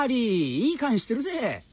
いい勘してるぜ。